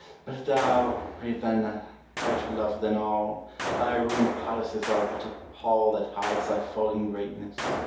But thou, Ravenna, better loved than all, Thy ruined palaces are but a pall That hides thy fallen greatness